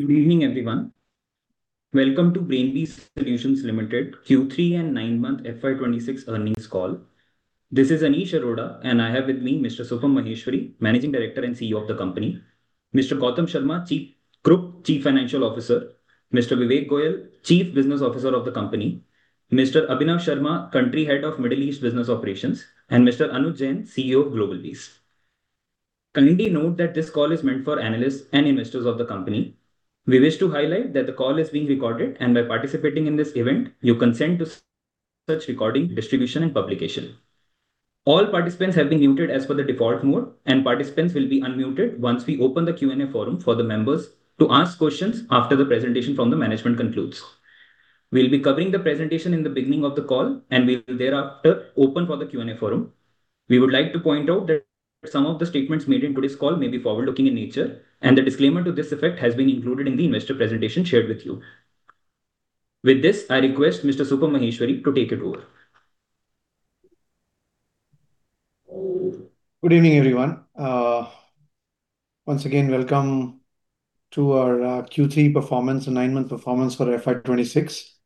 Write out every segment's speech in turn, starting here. Good evening, everyone. Welcome to Brainbees Solutions Limited Q3 and 9-month FY 2026 Earnings Call. This is Anish Arora, and I have with me Mr. Supam Maheshwari, Managing Director and CEO of the company, Mr. Gautam Sharma, Group Chief Financial Officer, Mr. Vivek Goel, Chief Business Officer of the company, Mr. Abhinav Sharma, Country Head of Middle East Business Operations, and Mr. Anuj Jain, CEO of GlobalBees. Kindly note that this call is meant for analysts and investors of the company. We wish to highlight that the call is being recorded, and by participating in this event, you consent to such recording, distribution, and publication. All participants have been muted as per the default mode, and participants will be unmuted once we open the Q&A forum for the members to ask questions after the presentation from the management concludes. We'll be covering the presentation in the beginning of the call, and we will thereafter open for the Q&A forum. We would like to point out that some of the statements made in today's call may be forward-looking in nature, and the disclaimer to this effect has been included in the investor presentation shared with you. With this, I request Mr. Supam Maheshwari to take it over. Good evening, everyone. Once again, welcome to our Q3 performance and 9-month performance for FY 2026.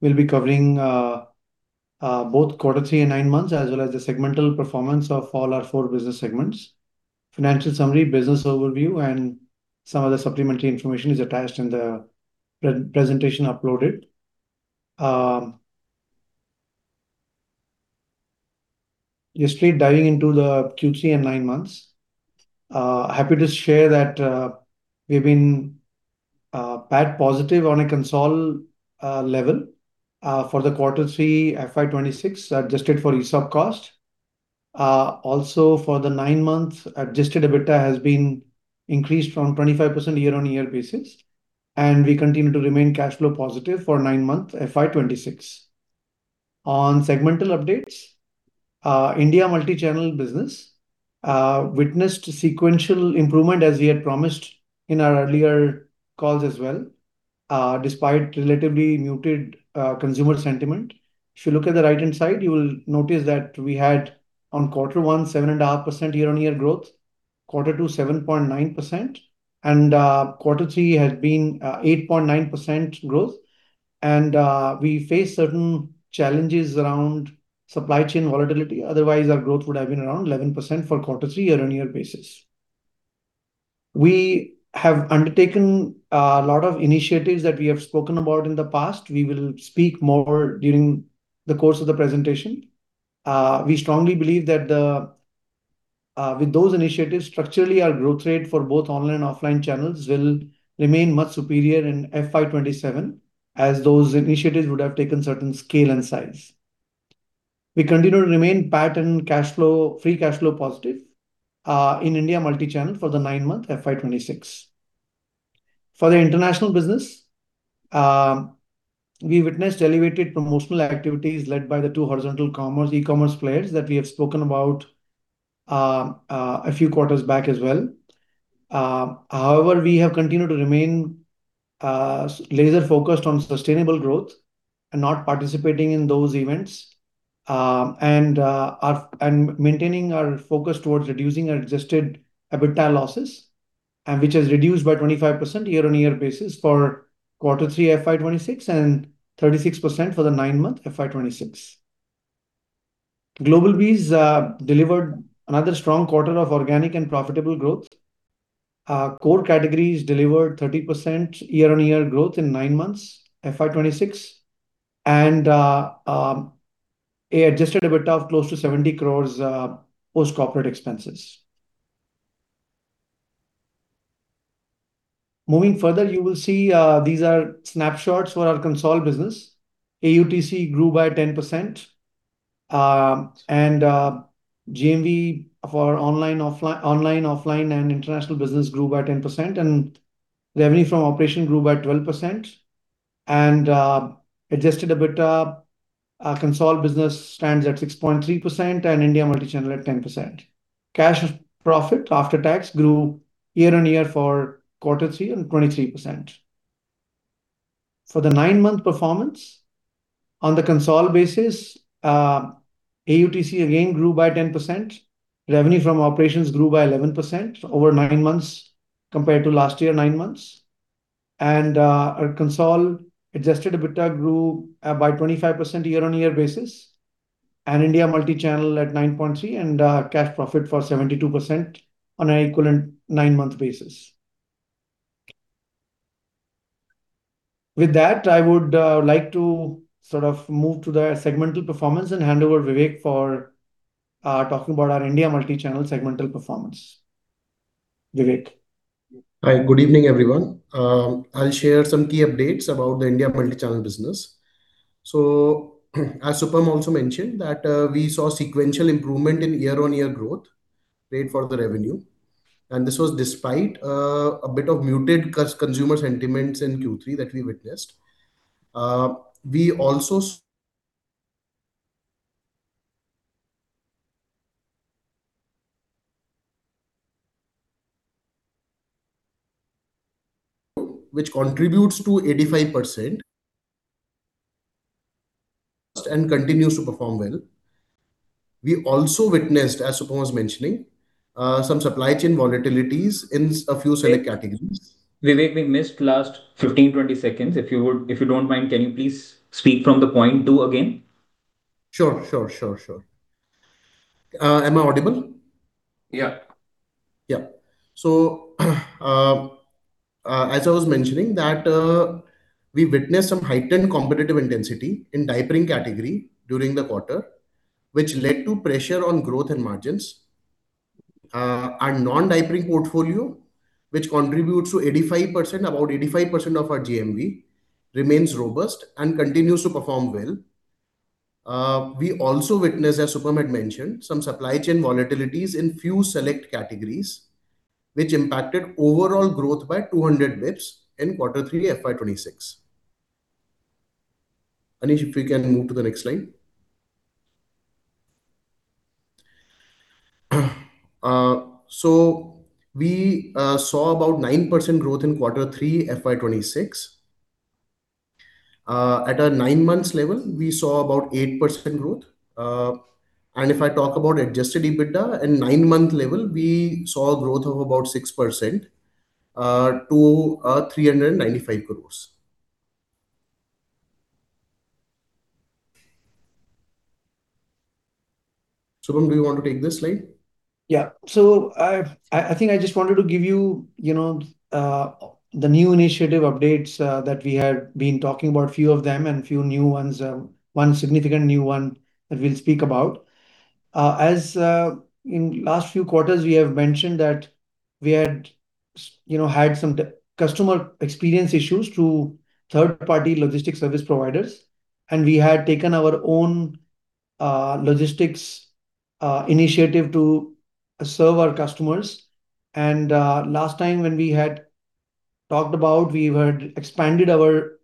We'll be covering both Q3 and 9 months, as well as the segmental performance of all our 4 business segments. Financial summary, business overview, and some of the supplementary information is attached in the pre-presentation uploaded. Just straight diving into the Q3 and 9 months. Happy to share that we've been PAT positive on a consolidated level for the Q3 FY 2026, adjusted for ESOP cost. Also, for the 9 months, adjusted EBITDA has been increased from 25% year-on-year basis, and we continue to remain cash flow positive for 9-month FY 2026. On segmental updates, India Multichannel business witnessed sequential improvement, as we had promised in our earlier calls as well, despite relatively muted consumer sentiment. If you look at the right-hand side, you will notice that we had, on Q1, 7.5% year-on-year growth, Q2, 7.9%, and, Q3 has been, 8.9% growth. We faced certain challenges around supply chain volatility. Otherwise, our growth would have been around 11% for Q3 year-on-year basis. We have undertaken a lot of initiatives that we have spoken about in the past. We will speak more during the course of the presentation. We strongly believe that the... With those initiatives, structurally, our growth rate for both online and offline channels will remain much superior in FY 2027, as those initiatives would have taken certain scale and size. We continue to remain PAT and cash flow, free cash flow positive, in India Multichannel for the 9-month FY 2026. For the international business, we witnessed elevated promotional activities led by the two horizontal commerce, e-commerce players that we have spoken about, a few quarters back as well. However, we have continued to remain laser focused on sustainable growth and not participating in those events, and maintaining our focus towards reducing our adjusted EBITDA losses, and which has reduced by 25% year-on-year basis for Q3 FY 2026, and 36% for the 9-month FY 2026. GlobalBees delivered another strong quarter of organic and profitable growth. Core categories delivered 30% year-on-year growth in 9 months, FY 2026, and an adjusted EBITDA of close to 70 crore post corporate expenses. Moving further, you will see these are snapshots for our consolidated business. AUTC grew by 10%, and GMV of our online, offline, online, offline, and international business grew by 10%, and revenue from operation grew by 12%. Adjusted EBITDA, consol business stands at 6.3%, and India Multichannel at 10%. Cash profit after tax grew year-over-year for Q3 at 23%. For the nine-month performance, on the consol basis, AUTC again grew by 10%. Revenue from operations grew by 11% over nine months compared to last year nine months. Our consol adjusted EBITDA grew by 25% year-over-year basis, and India Multichannel at 9.3, and cash profit for 72% on a equivalent nine-month basis. With that, I would like to sort of move to the segmental performance and hand over Vivek for talking about our India Multichannel segmental performance. Vivek? Hi. Good evening, everyone. I'll share some key updates about the India Multichannel business. So as Supam also mentioned, that, we saw sequential improvement in year-on-year growth rate for the revenue, and this was despite, a bit of muted consumer sentiments in Q3 that we witnessed. We also... Which contributes to 85%. And continues to perform well. We also witnessed, as Supam was mentioning, some supply chain volatilities in a few select categories. Vivek, we missed last 15, 20 seconds. If you don't mind, can you please speak from the point 2 again? Sure, sure, sure, sure. Am I audible? Yeah. Yeah. So, as I was mentioning, that, we witnessed some heightened competitive intensity in diapering category during the quarter, which led to pressure on growth and margins. Our non-diapering portfolio, which contributes to 85%, about 85% of our GMV, remains robust and continues to perform well. We also witnessed, as Supam had mentioned, some supply chain volatilities in few select categories, which impacted overall growth by 200 bps in Q3 FY 2026. Anish, if we can move to the next slide. So we saw about 9% growth in Q3, FY 2026. At a 9-month level, we saw about 8% growth. And if I talk about adjusted EBITDA, in 9-month level, we saw a growth of about 6%, to 395 crores. Supam, do you want to take this slide? Yeah. So I've... I, I think I just wanted to give you, you know, the new initiative updates that we had been talking about, a few of them, and a few new ones, one significant new one that we'll speak about. As in last few quarters, we have mentioned that we had some, you know, had some customer experience issues through third-party logistics service providers, and we had taken our own logistics initiative to serve our customers. And last time when we had talked about, we had expanded our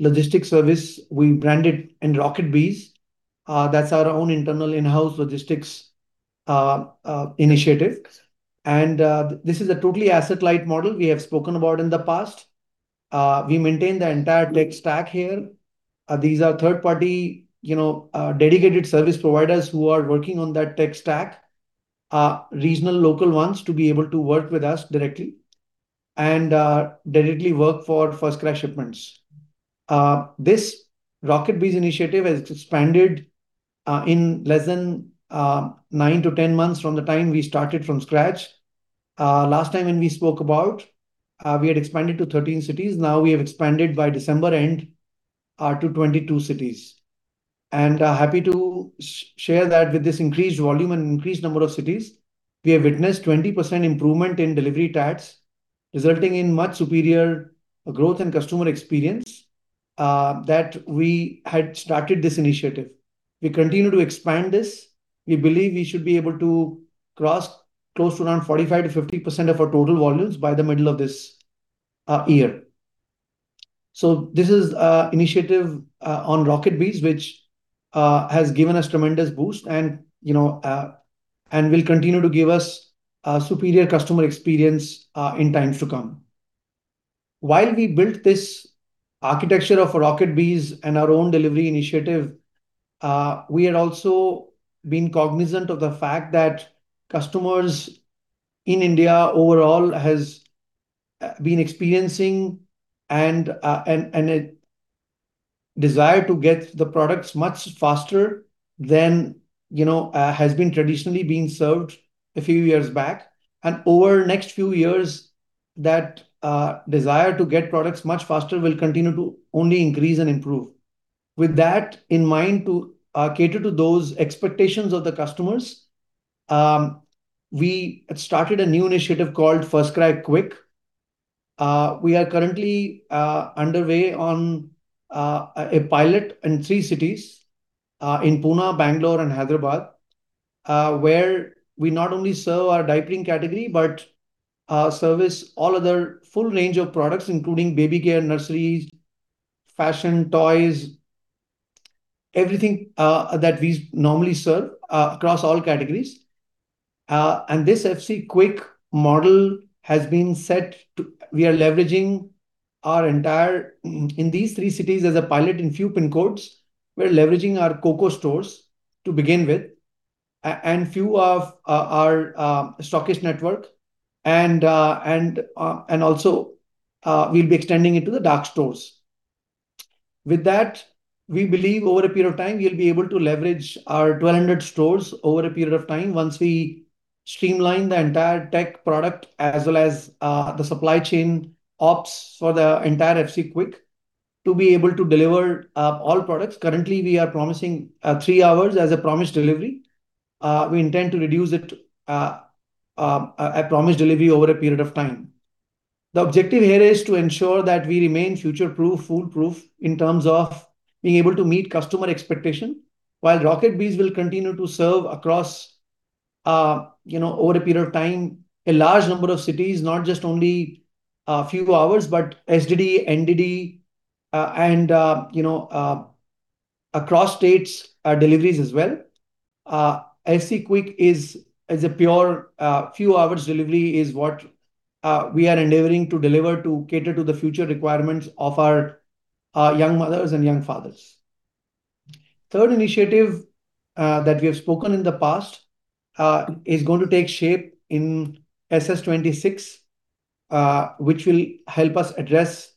logistics service, we branded it RocketBees. That's our own internal in-house logistics initiative. And this is a totally asset-light model we have spoken about in the past. We maintain the entire tech stack here. These are third-party, you know, dedicated service providers who are working on that tech stack, regional, local ones, to be able to work with us directly, and directly work for FirstCry shipments. This RocketBees initiative has expanded in less than 9-10 months from the time we started from scratch. Last time when we spoke about, we had expanded to 13 cities. Now we have expanded, by December end, to 22 cities. Happy to share that with this increased volume and increased number of cities, we have witnessed 20% improvement in delivery times, resulting in much superior growth and customer experience that we had started this initiative. We continue to expand this. We believe we should be able to cross close to around 45%-50% of our total volumes by the middle of this year. So this is a initiative on RocketBees, which has given us tremendous boost and, you know, and will continue to give us a superior customer experience in times to come. While we built this architecture of RocketBees and our own delivery initiative, we had also been cognizant of the fact that customers in India overall has been experiencing and a desire to get the products much faster than, you know, has been traditionally been served a few years back. And over the next few years, that desire to get products much faster will continue to only increase and improve. With that in mind, to cater to those expectations of the customers, we started a new initiative called FirstCry Quick. We are currently underway on a pilot in three cities, in Pune, Bangalore and Hyderabad, where we not only serve our diapering category, but service all other full range of products, including baby care, nurseries, fashion, toys, everything, that we normally serve across all categories. And this FC Quick model has been set to. We are leveraging our entire. In these three cities, as a pilot in a few PIN codes, we're leveraging our COCO stores to begin with, and few of our stockist network. And also, we'll be extending it to the dark stores. With that, we believe over a period of time, we'll be able to leverage our 1,200 stores over a period of time, once we streamline the entire tech product, as well as, the supply chain ops for the entire FC Quick, to be able to deliver, all products. Currently, we are promising, three hours as a promised delivery. We intend to reduce it, a promised delivery over a period of time. The objective here is to ensure that we remain future-proof, foolproof, in terms of being able to meet customer expectation, while RocketBees will continue to serve across, you know, over a period of time, a large number of cities, not just only a few hours, but STD, NDD, and, you know, across states, deliveries as well. FC Quick is a pure few hours delivery, which is what we are endeavoring to deliver to cater to the future requirements of our young mothers and young fathers. Third initiative that we have spoken in the past is going to take shape in FY 2026, which will help us address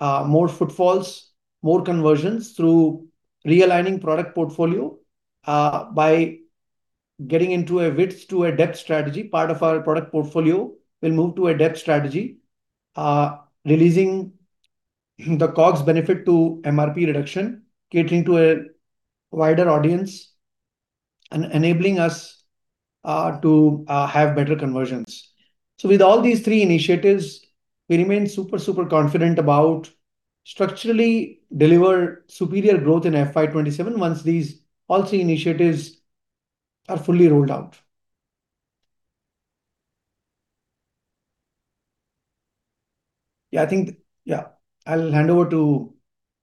more footfalls, more conversions through realigning product portfolio. By getting into a width to a depth strategy, part of our product portfolio will move to a depth strategy, releasing the COGS benefit to MRP reduction, catering to a wider audience, and enabling us to have better conversions. So with all these three initiatives, we remain super, super confident about structurally deliver superior growth in FY 2027 once these all three initiatives are fully rolled out. Yeah, I think... Yeah, I'll hand over to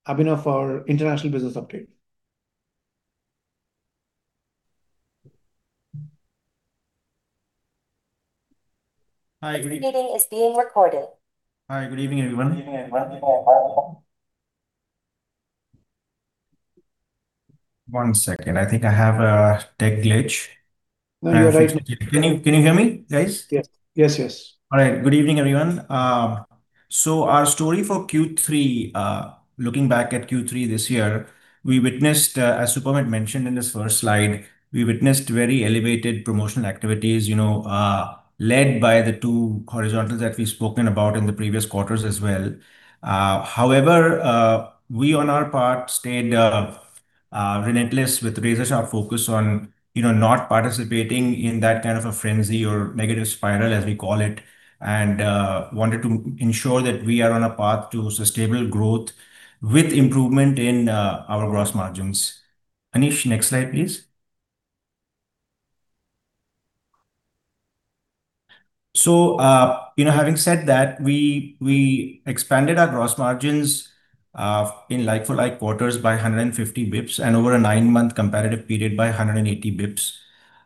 Abhinav for international business update. Hi, good- This meeting is being recorded. Hi, good evening, everyone. One second. I think I have a tech glitch. No, you're right. Can you, can you hear me, guys? Yes. Yes, yes. All right. Good evening, everyone. So our story for Q3, looking back at Q3 this year, we witnessed, as Supam had mentioned in his first slide, we witnessed very elevated promotional activities, you know, led by the two horizontals that we've spoken about in the previous quarters as well. However, we on our part stayed relentless with razor-sharp focus on, you know, not participating in that kind of a frenzy or negative spiral, as we call it, and wanted to ensure that we are on a path to sustainable growth with improvement in our gross margins. Anish, next slide, please. So, you know, having said that, we expanded our gross margins in like-for-like quarters by 150 basis points, and over a nine-month comparative period by 180 basis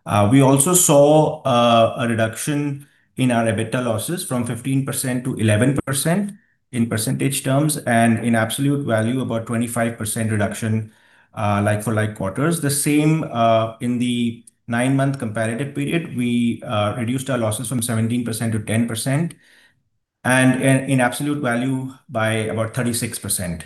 points. We also saw a reduction in our EBITDA losses from 15%-11% in percentage terms, and in absolute value, about 25% reduction, like-for-like quarters. The same, in the nine-month comparative period, we reduced our losses from 17%-10%, and in absolute value by about 36%.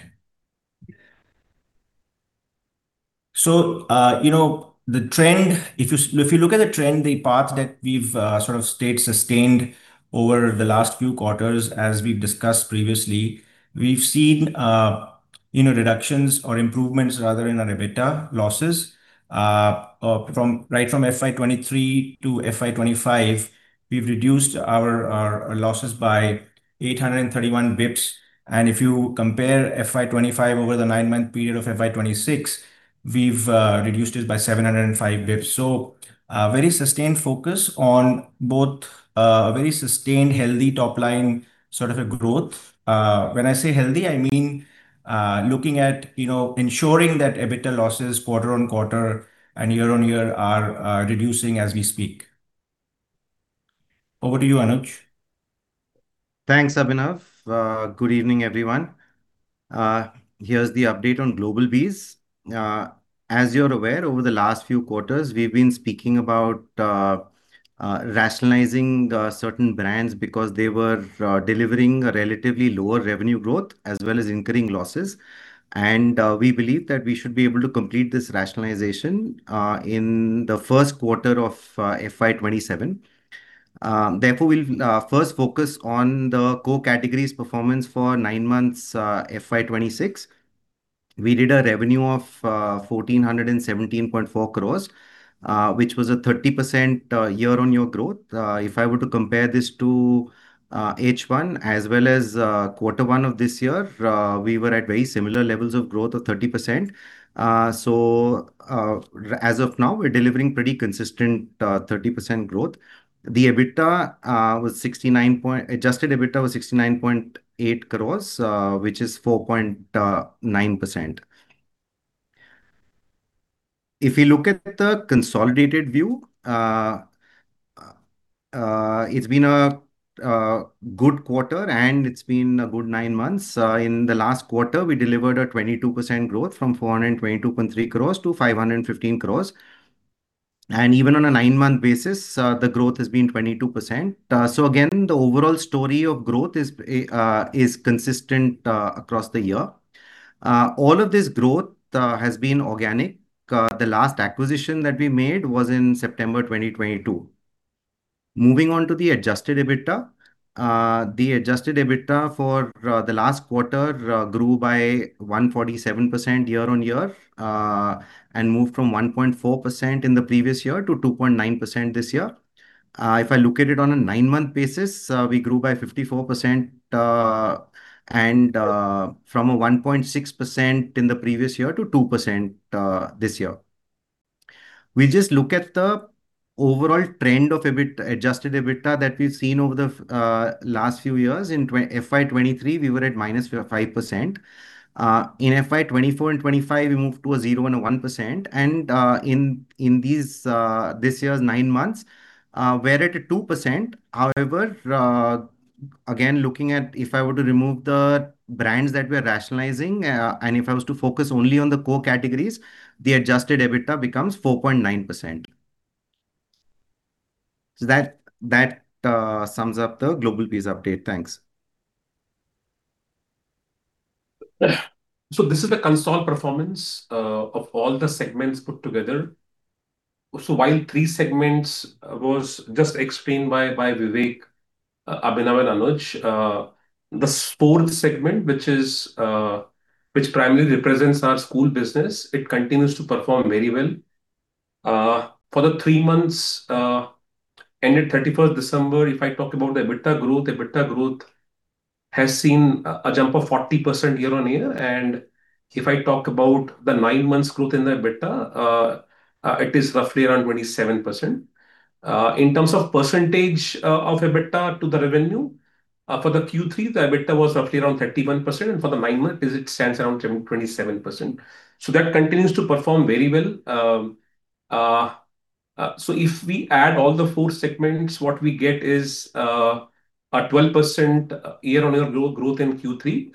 So, you know, the trend, if you look at the trend, the path that we've sort of stayed sustained over the last few quarters, as we've discussed previously, we've seen, you know, reductions or improvements rather in our EBITDA losses. From, right from FY 2023 to FY 2025, we've reduced our losses by 831 basis points. If you compare FY 2025 over the nine-month period of FY 2026, we've reduced it by 705 basis points. So, very sustained focus on both, a very sustained, healthy top line, sort of a growth. When I say healthy, I mean, looking at, you know, ensuring that EBITDA losses quarter-on-quarter and year on year are, reducing as we speak. Over to you, Anuj. Thanks, Abhinav. Good evening, everyone. Here's the update on GlobalBees. As you're aware, over the last few quarters, we've been speaking about rationalizing certain brands because they were delivering a relatively lower revenue growth, as well as incurring losses. We believe that we should be able to complete this rationalization in the Q1 of FY 2027. Therefore, we'll first focus on the core categories performance for nine months FY 2026. We did a revenue of 1,417.4 crores, which was a 30% year-on-year growth. If I were to compare this to H1 as well as Q1 of this year, we were at very similar levels of growth of 30%. So, as of now, we're delivering pretty consistent 30% growth. The EBITDA was sixty-nine point. Adjusted EBITDA was 69.8 crore INR, which is 4.9%. If you look at the consolidated view, it's been a good quarter, and it's been a good nine months. In the last quarter, we delivered a 22% growth, from 422.3 crore INR to 515 crore INR. And even on a nine-month basis, the growth has been 22%. So again, the overall story of growth is consistent across the year. All of this growth has been organic. The last acquisition that we made was in September 2022. Moving on to the adjusted EBITDA. The adjusted EBITDA for the last quarter grew by 147% year-on-year, and moved from 1.4% in the previous year to 2.9% this year. If I look at it on a nine-month basis, we grew by 54%, and from a 1.6% in the previous year to 2% this year. We just look at the- Overall trend of EBIT, adjusted EBITDA that we've seen over the last few years, in FY 2023, we were at -5%. In FY 2024 and 2025, we moved to a 0% and a 1%. And in this year's nine months, we're at a 2%. However, again, looking at if I were to remove the brands that we are rationalizing, and if I was to focus only on the core categories, the adjusted EBITDA becomes 4.9%. So that sums up the GlobalBees update. Thanks. So this is the console performance of all the segments put together. While three segments was just explained by Vivek, Abhinav, and Anuj, the fourth segment, which primarily represents our school business, it continues to perform very well. For the 3 months ended 31 December, if I talk about the EBITDA growth, EBITDA growth has seen a jump of 40% year-on-year. And if I talk about the 9 months growth in the EBITDA, it is roughly around 27%. In terms of percentage of EBITDA to the revenue, for the Q3, the EBITDA was roughly around 31%, and for the 9 months, it stands around 27%. So that continues to perform very well. So if we add all the four segments, what we get is a 12% year-on-year growth in Q3,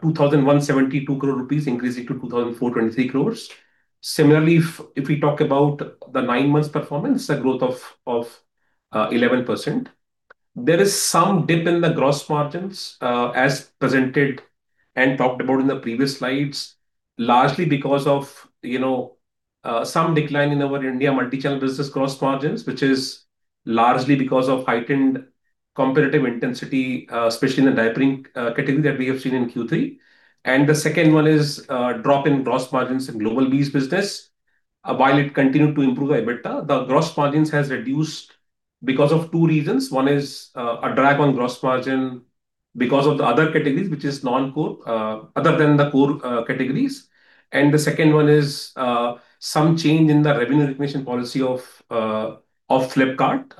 2,172 crore rupees increasing to 2,423 crore. Similarly, if we talk about the nine months performance, the growth of 11%. There is some dip in the gross margins, as presented and talked about in the previous slides, largely because of, you know, some decline in our India Multi-Channel business gross margins, which is largely because of heightened competitive intensity, especially in the diapering category that we have seen in Q3. And the second one is drop in gross margins in GlobalBees business. While it continued to improve the EBITDA, the gross margins has reduced because of two reasons. One is a drag on gross margin because of the other categories, which is non-core, other than the core categories. And the second one is some change in the revenue recognition policy of of Flipkart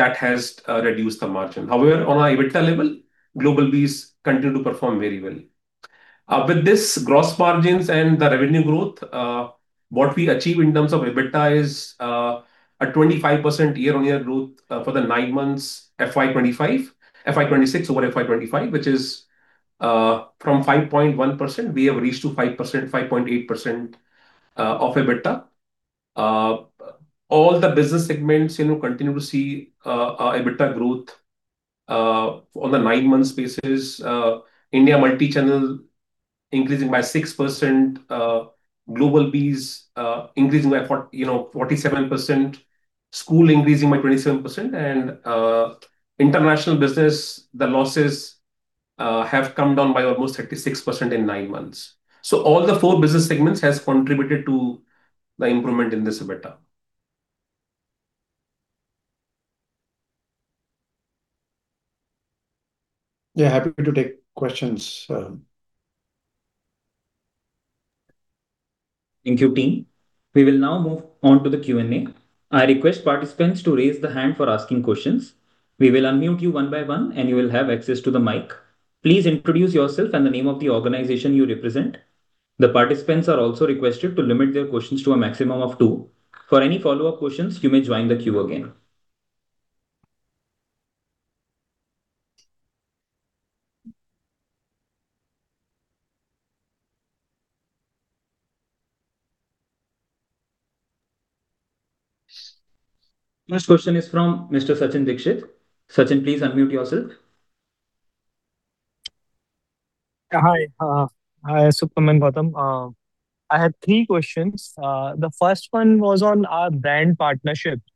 that has reduced the margin. However, on our EBITDA level, GlobalBees continue to perform very well. With this gross margins and the revenue growth, what we achieve in terms of EBITDA is a 25% year-on-year growth for the nine months FY 2025 FY 2026 over FY 2025, which is from 5.1%, we have reached to 5%, 5.8% of EBITDA. All the business segments, you know, continue to see a EBITDA growth on the nine months basis. India Multi-Channel increasing by 6%, GlobalBees increasing by, you know, 47%, school increasing by 27%, and international business, the losses have come down by almost 36% in nine months. So all the four business segments has contributed to the improvement in this EBITDA. Yeah, happy to take questions. Thank you, team. We will now move on to the Q&A. I request participants to raise their hand for asking questions. We will unmute you one by one, and you will have access to the mic. Please introduce yourself and the name of the organization you represent. The participants are also requested to limit their questions to a maximum of two. For any follow-up questions, you may join the queue again. First question is from Mr. Sachin Dixit. Sachin, please unmute yourself. Hi, hi, Sukumar and Gautam. I had three questions. The first one was on our brand partnerships,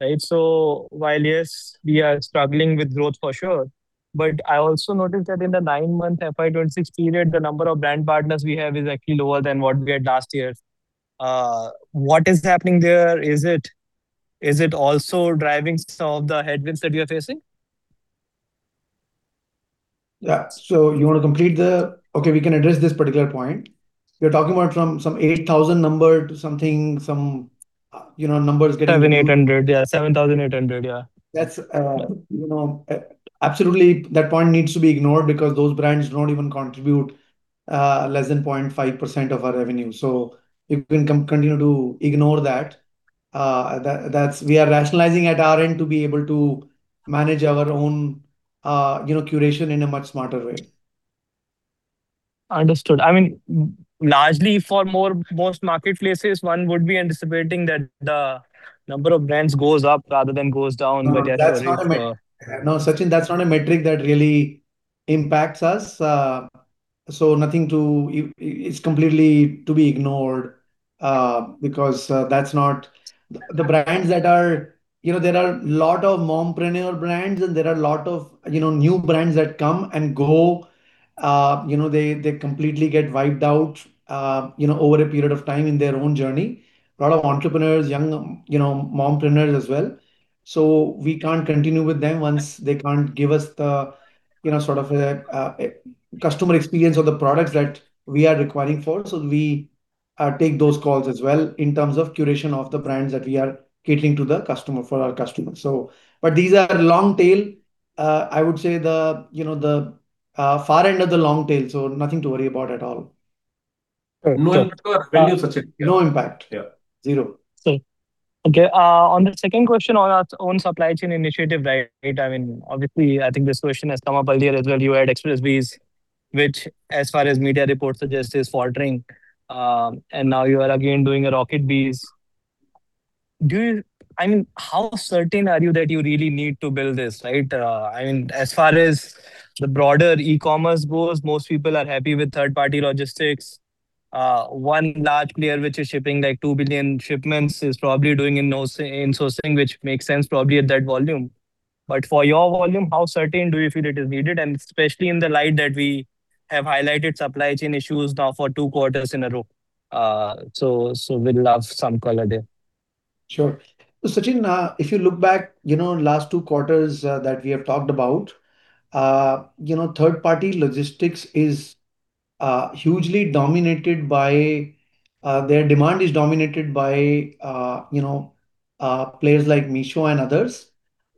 right? So while, yes, we are struggling with growth for sure, but I also noticed that in the 9-month FY 2026 period, the number of brand partners we have is actually lower than what we had last year. What is happening there? Is it also driving some of the headwinds that we are facing? Yeah. So you want to complete the... Okay, we can address this particular point. We're talking about from some 8,000 number to something, some, you know, numbers getting- 7,800. Yeah, 7,800, yeah. That's, you know, absolutely, that point needs to be ignored because those brands do not even contribute less than 0.5% of our revenue. So you can continue to ignore that. That's we are rationalizing at our end to be able to manage our own, you know, curation in a much smarter way. Understood. I mean, largely, for most marketplaces, one would be anticipating that the number of brands goes up rather than goes down, but yeah... No, that's not a metric. No, Sachin, that's not a metric that really impacts us. So nothing to... it's completely to be ignored, because, that's not the brands that are... You know, there are a lot of mompreneur brands, and there are a lot of, you know, new brands that come and go. You know, they, they completely get wiped out, you know, over a period of time in their own journey. A lot of entrepreneurs, young, you know, mompreneurs as well. So we can't continue with them once they can't give us the, you know, sort of, customer experience of the products that we are requiring for, so we take those calls as well in terms of curation of the brands that we are catering to the customer, for our customers. So, but these are long tail. I would say, you know, the far end of the long tail, so nothing to worry about at all. Right. No impact or revenue, Sachin. No impact. Yeah. Zero. So, okay, on the second question on our own supply chain initiative, right? I mean, obviously, I think this question has come up earlier as well. You had Xpressbees, which, as far as media reports suggest, is faltering. And now you are again doing a RocketBees. Do you, I mean, how certain are you that you really need to build this, right? I mean, as far as the broader e-commerce goes, most people are happy with third-party logistics. One large player, which is shipping, like, 2 billion shipments, is probably doing in-house in-sourcing, which makes sense probably at that volume. But for your volume, how certain do you feel it is needed, and especially in the light that we have highlighted supply chain issues now for 2 quarters in a row? So, so we'd love some color there. Sure. So, Sachin, if you look back, you know, last two quarters that we have talked about, you know, third-party logistics is hugely dominated by... Their demand is dominated by, you know, players like Meesho and others.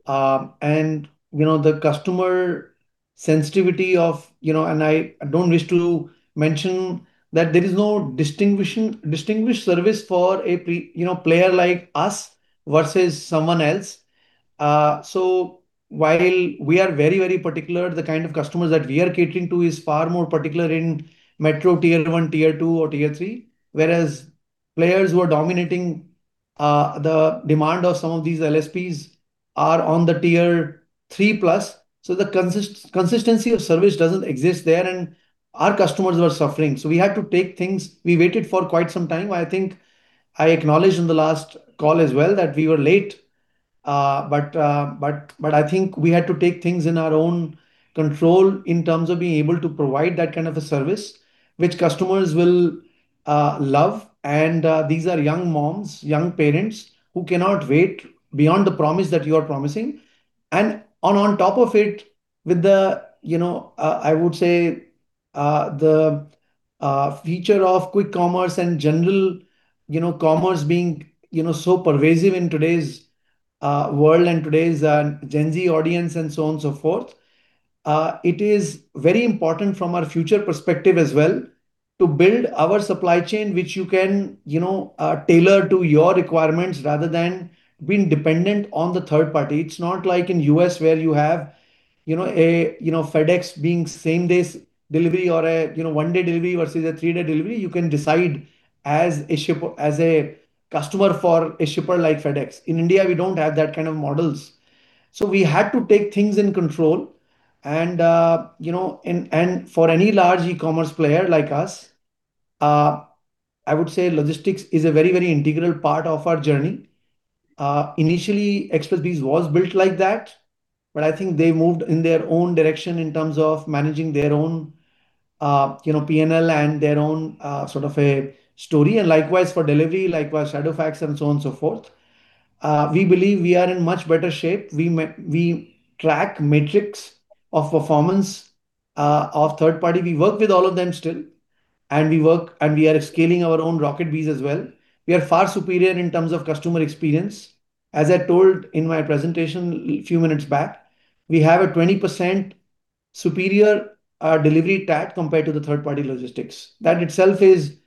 And, you know, the customer sensitivity of, you know. And I don't wish to mention that there is no distinguished service for a premium player like us versus someone else. So while we are very, very particular, the kind of customers that we are catering to is far more particular in metro tier one, tier two or tier three. Whereas players who are dominating the demand of some of these LSPs are on the tier three plus, so the consistency of service doesn't exist there, and our customers were suffering. So we had to take things... We waited for quite some time. I think I acknowledged in the last call as well that we were late. But I think we had to take things in our own control in terms of being able to provide that kind of a service, which customers will love. And these are young moms, young parents, who cannot wait beyond the promise that you are promising. And on top of it, with the, you know, I would say, the feature of quick commerce and general, you know, commerce being, you know, so pervasive in today's world and today's Gen Z audience, and so on and so forth, it is very important from a future perspective as well to build our supply chain, which you can, you know, tailor to your requirements rather than being dependent on the third party. It's not like in U.S., where you have, you know, a, you know, FedEx being same-day delivery or a, you know, one-day delivery versus a three-day delivery. You can decide as a shipper, as a customer for a shipper like FedEx. In India, we don't have that kind of models. So we had to take things in control and, you know, and, and for any large e-commerce player like us, I would say logistics is a very, very integral part of our journey. Initially, Xpressbees was built like that, but I think they moved in their own direction in terms of managing their own, you know, PNL and their own, sort of a story. And likewise for delivery, likewise Shadowfax and so on and so forth. We believe we are in much better shape. We track metrics of performance of third party. We work with all of them still, and we are scaling our own RocketBees as well. We are far superior in terms of customer experience. As I told in my presentation a few minutes back, we have a 20% superior delivery TAT compared to the third-party logistics. That itself is,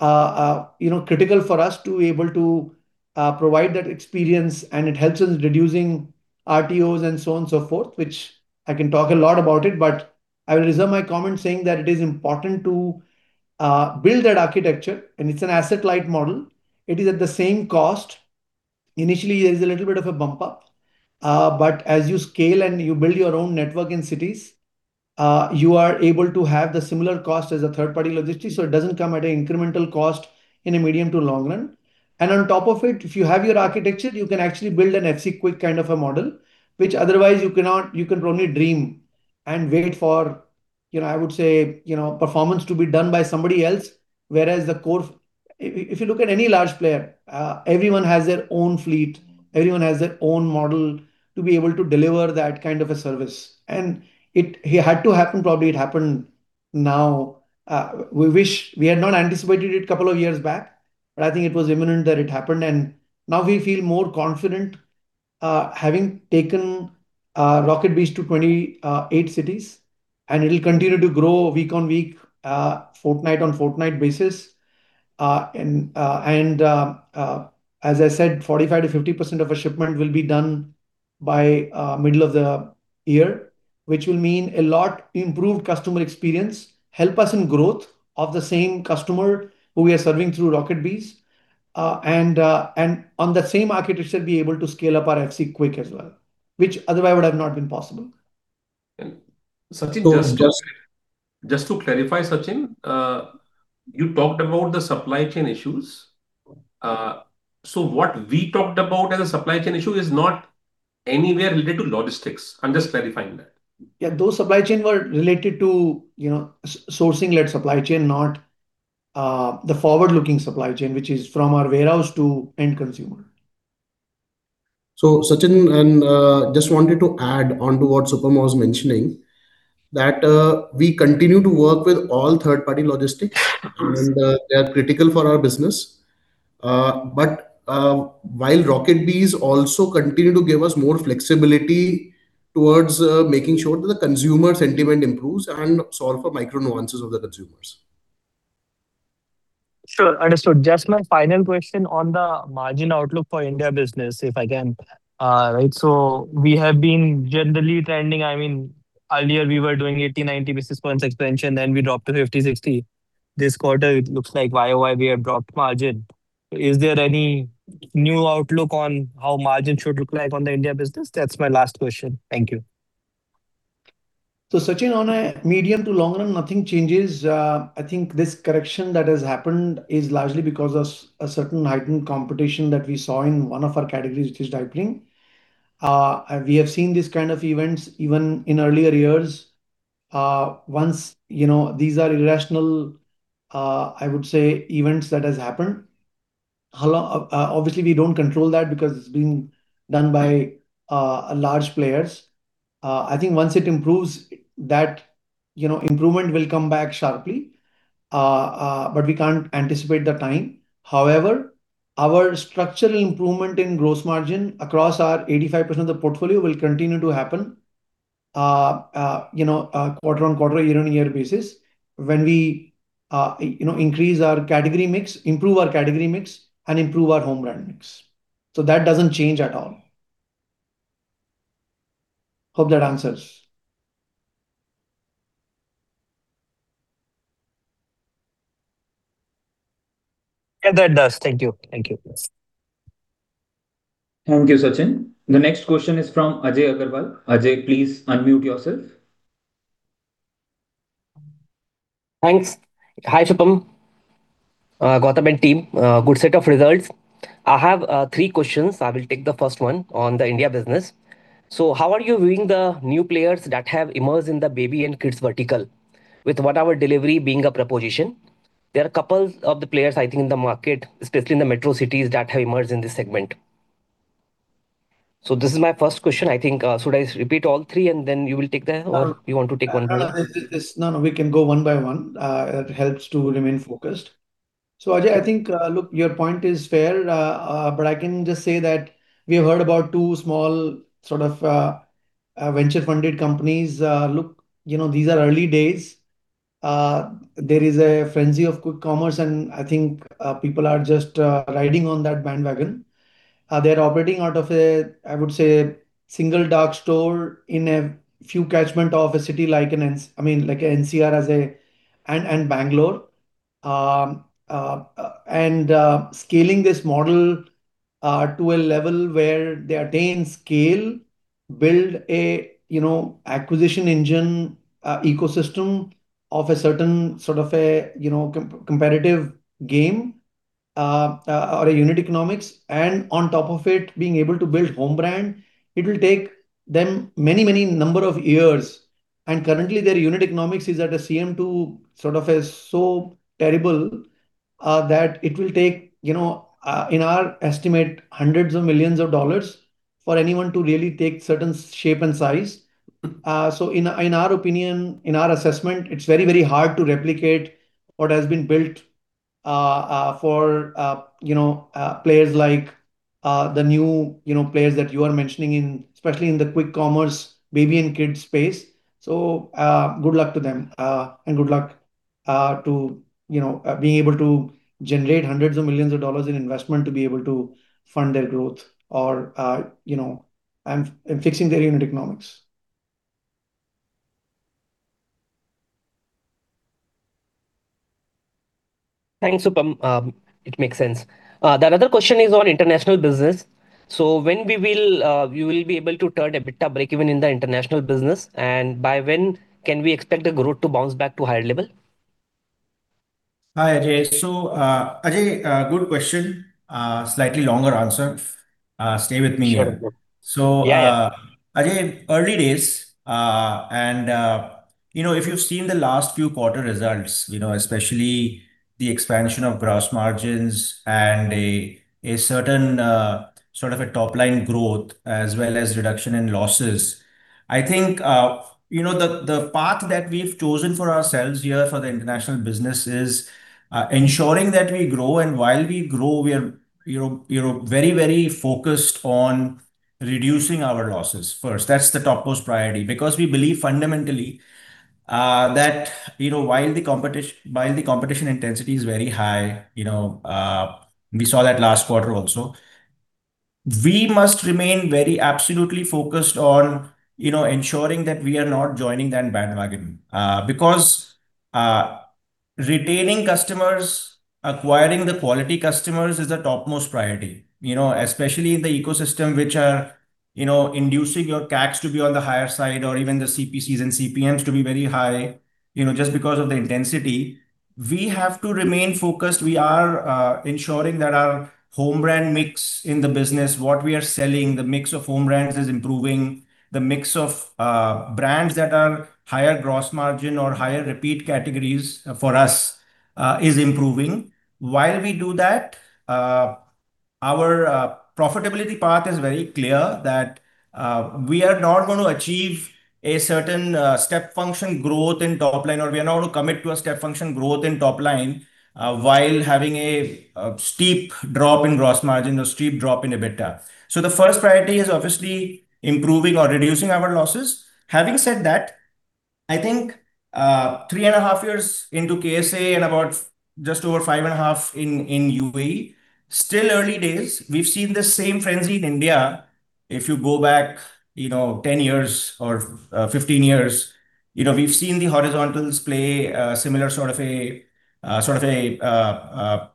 you know, critical for us to be able to provide that experience, and it helps us reducing RTOs and so on and so forth, which I can talk a lot about it. But I will reserve my comment saying that it is important to build that architecture, and it's an asset-light model. It is at the same cost. Initially, there is a little bit of a bump up, but as you scale and you build your own network in cities, you are able to have the similar cost as a third-party logistics, so it doesn't come at an incremental cost in a medium to long run. And on top of it, if you have your architecture, you can actually build an FC Quick kind of a model, which otherwise you cannot... You can only dream and wait for, you know, I would say, you know, performance to be done by somebody else. Whereas the core-- If you look at any large player, everyone has their own fleet, everyone has their own model to be able to deliver that kind of a service. And it, it had to happen, probably it happened now. We had not anticipated it a couple of years back, but I think it was imminent that it happened, and now we feel more confident, having taken RocketBees to 28 cities, and it will continue to grow week on week, fortnight on fortnight basis. as I said, 45%-50% of our shipment will be done by middle of the year, which will mean a lot improved customer experience, help us in growth of the same customer who we are serving through RocketBees, and on that same architecture, be able to scale up our FC Quick as well, which otherwise would have not been possible. Sachin, just, just to clarify, Sachin, you talked about the supply chain issues. So what we talked about as a supply chain issue is not anywhere related to logistics. I'm just clarifying that. Yeah, those supply chain were related to, you know, sourcing-led supply chain, not the forward-looking supply chain, which is from our warehouse to end consumer. So, Sachin, and just wanted to add on to what Supam was mentioning, that we continue to work with all third-party logistics, and they are critical for our business. But while RocketBees also continue to give us more flexibility towards making sure that the consumer sentiment improves and solve for micro-nuances of the consumers. Sure, understood. Just my final question on the margin outlook for India business, if I can. Right, so we have been generally trending, I mean, earlier we were doing 80, 90 basis points expansion, then we dropped to 50, 60. This quarter it looks like year-over-year we have dropped margin. Is there any new outlook on how margin should look like on the India business? That's my last question. Thank you. So, Sachin, on a medium to long run, nothing changes. I think this correction that has happened is largely because of a certain heightened competition that we saw in one of our categories, which is diapering. and we have seen these kind of events even in earlier years. once, you know, these are irrational, I would say, events that has happened. A lot... obviously we don't control that because it's being done by large players. I think once it improves, that, you know, improvement will come back sharply, but we can't anticipate the time. However, our structural improvement in gross margin across our 85% of the portfolio will continue to happen, you know, quarter-over-quarter, year-over-year basis, when we, you know, increase our category mix... Improve our category mix and improve our home brand mix. So that doesn't change at all. Hope that answers. Yeah, that does. Thank you. Thank you. Thank you, Sachin. The next question is from Ajay Agarwal. Ajay, please unmute yourself. Thanks. Hi, Supam, Gautam, and team. Good set of results. I have three questions. I will take the first one on the India business. So how are you viewing the new players that have emerged in the baby and kids vertical, with one-hour delivery being a proposition? There are a couple of the players, I think, in the market, especially in the metro cities, that have emerged in this segment. So this is my first question. I think, should I repeat all three, and then you will take them? Or you want to take one by one? No, no, we can go one by one. It helps to remain focused. So Ajay, I think, look, your point is fair. But I can just say that we have heard about two small, sort of, venture-funded companies. Look, you know, these are early days. There is a frenzy of quick commerce, and I think, people are just, riding on that bandwagon. They're operating out of a, I would say, single dark store in a few catchment of a city like an NCR, I mean, like a NCR as a... and, and Bangalore. Scaling this model to a level where they attain scale, build a, you know, acquisition engine, ecosystem of a certain sort of a, you know, competitive game, or a unit economics, and on top of it, being able to build home brand, it will take them many, many number of years. Currently, their unit economics is at a CM2, sort of, is so terrible, that it will take, you know, in our estimate, $hundreds of millions for anyone to really take certain shape and size. So in our, in our opinion, in our assessment, it's very, very hard to replicate what has been built, for, you know, players like, the new, you know, players that you are mentioning in, especially in the quick commerce baby and kids space. Good luck to them. Good luck to, you know, being able to generate $hundreds of millions in investment to be able to fund their growth or, you know, and, and fixing their unit economics. Thanks, Supam. It makes sense. The another question is on international business. So when we will-- you will be able to turn EBITDA breakeven in the international business, and by when can we expect the growth to bounce back to higher level? Hi, Ajay. So, Ajay, good question. Slightly longer answer. Stay with me here. Sure. Sure. So, uh- Yeah, yeah. Ajay, early days, and you know, if you've seen the last few quarter results, you know, especially the expansion of gross margins and a certain sort of a top-line growth, as well as reduction in losses, I think you know, the path that we've chosen for ourselves here for the international business is ensuring that we grow, and while we grow, we are you know, you know, very, very focused on reducing our losses first. That's the topmost priority, because we believe fundamentally that you know, while the competition intensity is very high, you know, we saw that last quarter also, we must remain very absolutely focused on you know, ensuring that we are not joining that bandwagon. Because retaining customers, acquiring the quality customers is the topmost priority. You know, especially in the ecosystem, which are, you know, inducing your CAC to be on the higher side or even the CPCs and CPMs to be very high, you know, just because of the intensity, we have to remain focused. We are ensuring that our home brand mix in the business, what we are selling, the mix of home brands is improving, the mix of brands that are higher gross margin or higher repeat categories for us is improving. While we do that, our profitability path is very clear that we are not gonna achieve a certain step function growth in top line, or we are not gonna commit to a step function growth in top line while having a steep drop in gross margin or steep drop in EBITDA. So the first priority is obviously improving or reducing our losses. Having said that, I think, 3.5 years into KSA and about just over 5.5 in UAE, still early days. We've seen the same frenzy in India. If you go back, you know, 10 years or 15 years, you know, we've seen the horizontals play a similar sort of a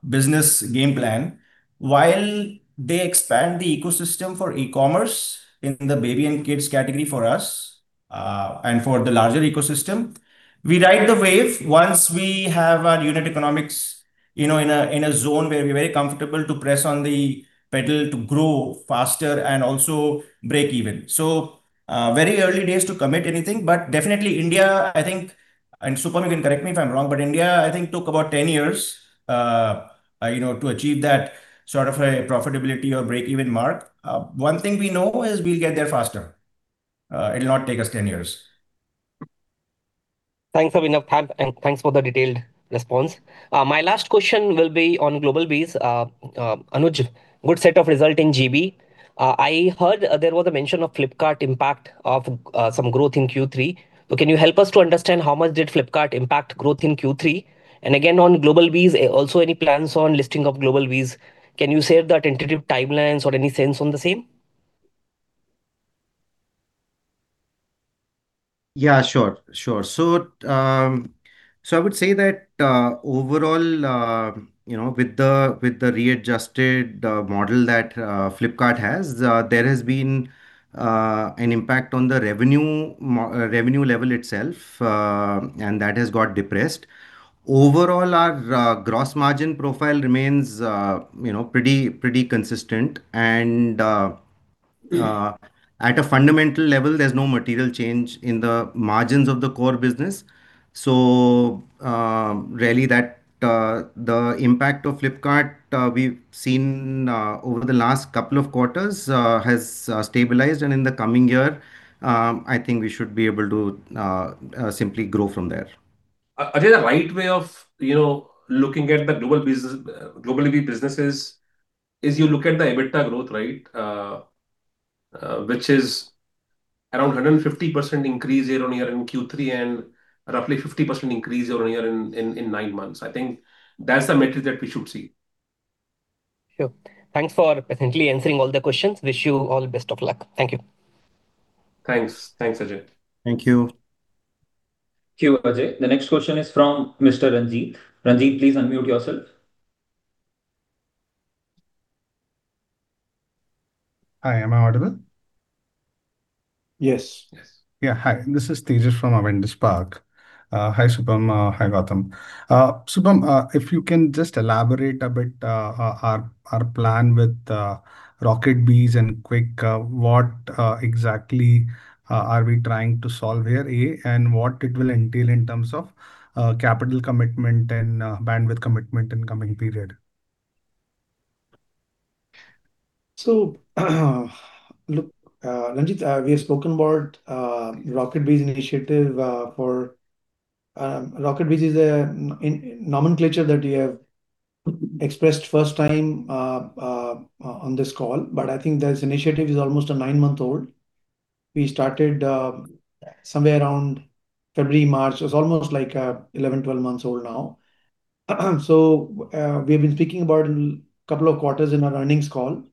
business game plan. While they expand the ecosystem for e-commerce in the baby and kids category for us and for the larger ecosystem, we ride the wave. Once we have our unit economics, you know, in a zone where we're very comfortable to press on the pedal to grow faster and also break even. So, very early days to commit anything, but definitely India, I think, and, Supam, you can correct me if I'm wrong, but India, I think, took about 10 years, you know, to achieve that sort of a profitability or break-even mark. One thing we know is we'll get there faster. It'll not take us 10 years. Thanks, Abhinav. And thanks for the detailed response. My last question will be on GlobalBees. Anuj, good set of results in GB. I heard there was a mention of Flipkart impact of some growth in Q3. So can you help us to understand how much did Flipkart impact growth in Q3? And again, on GlobalBees, also, any plans on listing of GlobalBees? Can you share the tentative timelines or any sense on the same? Yeah, sure, sure. So, I would say that overall, you know, with the readjusted model that Flipkart has, there has been an impact on the revenue level itself, and that has got depressed. Overall, our gross margin profile remains, you know, pretty, pretty consistent. At a fundamental level, there's no material change in the margins of the core business. So, really that the impact of Flipkart we've seen over the last couple of quarters has stabilized, and in the coming year, I think we should be able to simply grow from there. I think the right way of, you know, looking at the GlobalBees businesses is you look at the EBITDA growth, right? Which is around 150% increase year-on-year in Q3, and roughly 50% increase year-on-year in nine months. I think that's the metric that we should see. Sure. Thanks for patiently answering all the questions. Wish you all the best of luck. Thank you. Thanks. Thanks, Ajay. Thank you. Thank you, Ajay. The next question is from Mr. Ranjit. Ranjit, please unmute yourself. Hi, am I audible? Yes. Yes. Yeah, hi. This is Tejas from Avendus Spark. Hi, Supam. Hi, Gautam. Supam, if you can just elaborate a bit, our plan with RocketBees and Quick. What exactly are we trying to solve here, A? And what it will entail in terms of capital commitment and bandwidth commitment in coming period? So, look, Ranjit, we have spoken about RocketBees initiative for. RocketBees is a nomenclature that we have expressed first time on this call, but I think this initiative is almost a 9-month-old. We started somewhere around February, March. It's almost like 11, 12 months old now. So, we've been speaking about it in couple of quarters in our earnings call.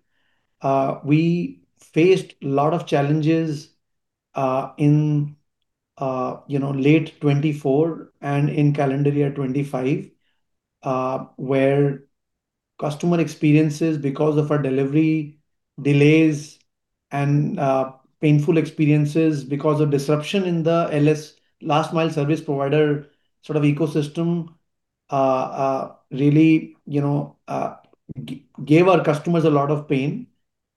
We faced a lot of challenges in you know, late 2024 and in calendar year 2025, where customer experiences, because of our delivery delays and painful experiences because of disruption in the LSP, last-mile service provider sort of ecosystem really you know gave our customers a lot of pain.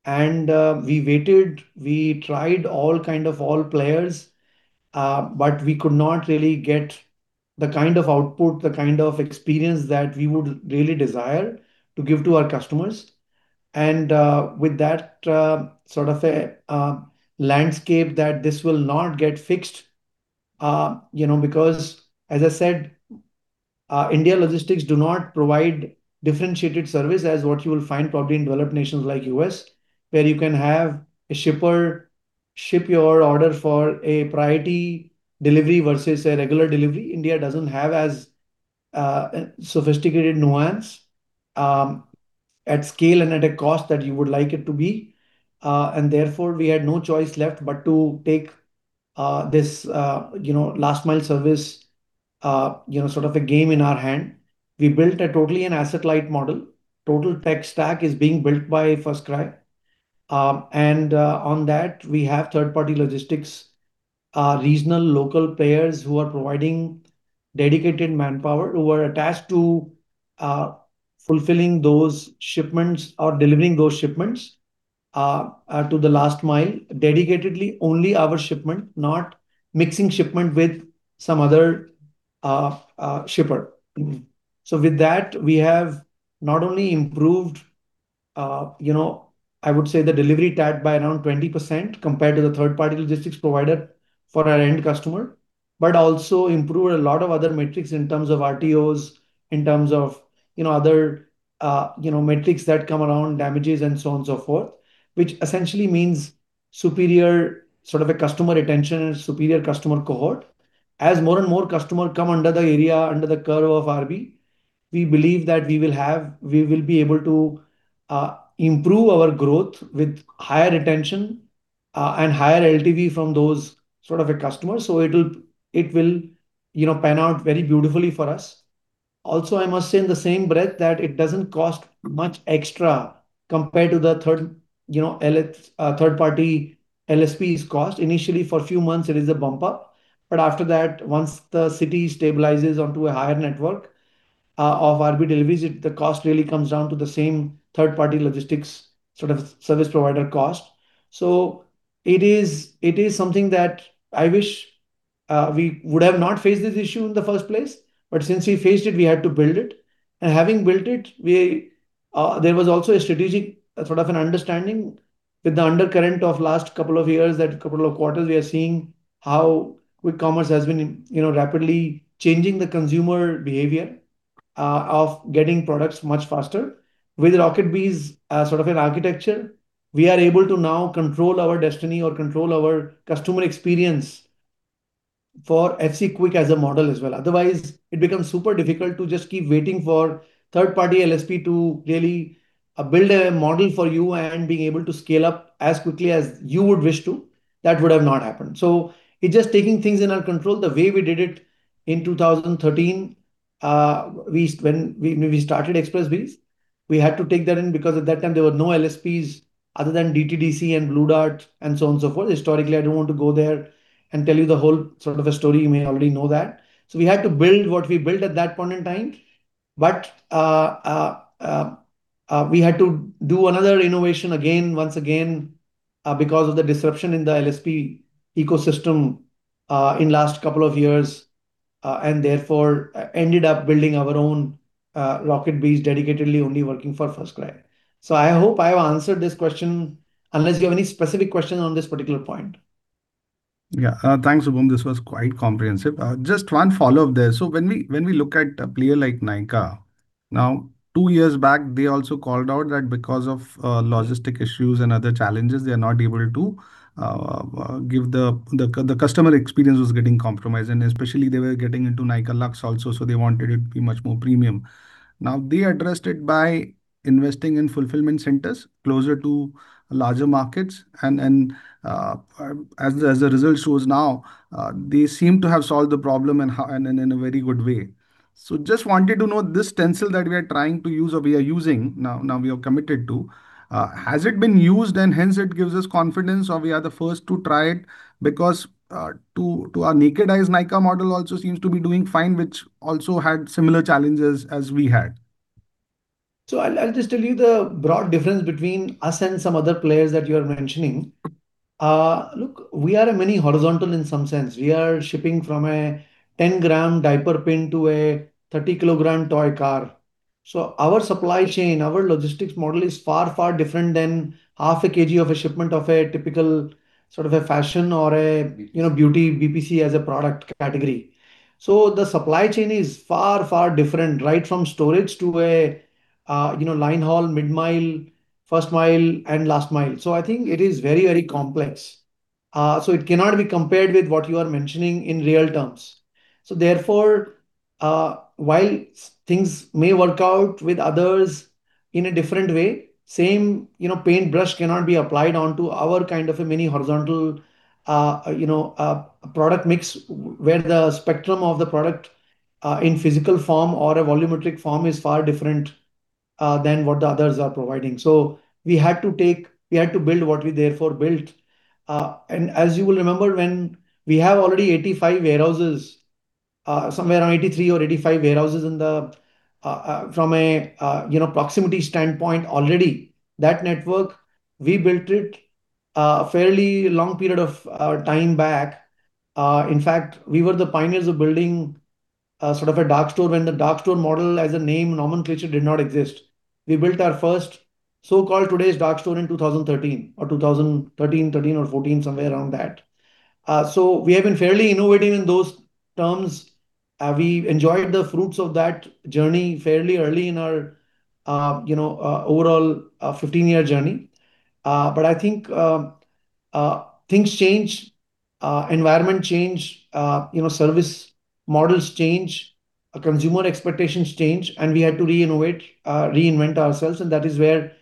We waited, we tried all kind of all players, but we could not really get the kind of output, the kind of experience that we would really desire to give to our customers. With that, sort of a landscape, that this will not get fixed, you know, because, as I said, India logistics do not provide differentiated service as what you will find probably in developed nations like U.S., where you can have a shipper ship your order for a priority delivery versus a regular delivery. India doesn't have as sophisticated nuance, at scale and at a cost that you would like it to be. And therefore, we had no choice left but to take this, you know, last mile service, you know, sort of a game in our hand. We built a totally an asset-light model. Total tech stack is being built by FirstCry. And on that, we have third-party logistics, regional, local players who are providing dedicated manpower, who are attached to fulfilling those shipments or delivering those shipments to the last mile, dedicatedly only our shipment, not mixing shipment with some other shipper. So with that, we have not only improved, you know, I would say the delivery tag by around 20% compared to the third-party logistics provider for our end customer, but also improved a lot of other metrics in terms of RTOs, in terms of, you know, other, you know, metrics that come around, damages, and so on and so forth. Which essentially means superior sort of a customer retention and superior customer cohort. As more and more customers come under the area, under the curve of RB, we believe that we will be able to improve our growth with higher retention, and higher LTV from those sort of a customer. So it'll, it will, you know, pan out very beautifully for us. Also, I must say in the same breath that it doesn't cost much extra compared to the third, you know, third-party LSPs cost. Initially, for a few months it is a bump up, but after that, once the city stabilizes onto a higher network, of RB deliveries, the cost really comes down to the same third-party logistics sort of service provider cost. So it is, it is something that I wish, we would have not faced this issue in the first place, but since we faced it, we had to build it. And having built it, we... there was also a strategic, sort of an understanding with the undercurrent of last couple of years, that couple of quarters, we are seeing how quick commerce has been, you know, rapidly changing the consumer behavior, of getting products much faster. With RocketBees, sort of an architecture, we are able to now control our destiny or control our customer experience for FC Quick as a model as well. Otherwise, it becomes super difficult to just keep waiting for third-party LSP to really, build a model for you and being able to scale up as quickly as you would wish to. That would have not happened. So it's just taking things in our control. The way we did it in 2013, when we started Xpressbees, we had to take that in because at that time there were no LSPs other than DTDC and Blue Dart, and so on and so forth. Historically, I don't want to go there and tell you the whole sort of a story. You may already know that. So we had to build what we built at that point in time, but, we had to do another innovation again, once again, because of the disruption in the LSP ecosystem, in last couple of years, and therefore ended up building our own, RocketBees dedicatedly only working for FirstCry. So I hope I have answered this question, unless you have any specific questions on this particular point. Yeah. Thanks, Supam. This was quite comprehensive. Just one follow-up there. So when we, when we look at a player like Nykaa, now, two years back, they also called out that because of logistics issues and other challenges, they are not able to give the... The customer experience was getting compromised, and especially they were getting into Nykaa Luxe also, so they wanted it to be much more premium. Now, they addressed it by investing in fulfillment centers closer to larger markets, and as the result shows now, they seem to have solved the problem and in a very good way. So just wanted to know, this stencil that we are trying to use or we are using now, now we are committed to, has it been used and hence it gives us confidence, or we are the first to try it? Because, to our naked eyes, Nykaa model also seems to be doing fine, which also had similar challenges as we had. So I'll, I'll just tell you the broad difference between us and some other players that you are mentioning. Look, we are a mini horizontal in some sense. We are shipping from a 10-gram diaper pin to a 30-kilogram toy car. So our supply chain, our logistics model is far, far different than half a kg of a shipment of a typical sort of a fashion or a, you know, beauty, BPC as a product category. So the supply chain is far, far different, right from storage to a, you know, line haul, mid-mile, first mile, and last mile. So I think it is very, very complex. So it cannot be compared with what you are mentioning in real terms. So therefore, while things may work out with others in a different way, same, you know, paintbrush cannot be applied onto our kind of a mini horizontal, you know, product mix, where the spectrum of the product, in physical form or a volumetric form is far different, than what the others are providing. So we had to build what we therefore built. And as you will remember, when we have already 85 warehouses, somewhere around 83 or 85 warehouses in the, from a, you know, proximity standpoint already, that network, we built it a fairly long period of, time back. In fact, we were the pioneers of building a sort of a dark store when the dark store model as a name nomenclature did not exist. We built our first so-called today's dark store in 2013 or 2013, 2013 or 2014, somewhere around that. So we have been fairly innovating in those terms. We enjoyed the fruits of that journey fairly early in our, you know, overall, 15-year journey. But I think, things change, environment change, you know, service models change, consumer expectations change, and we had to re-innovate, reinvent ourselves, and that is where,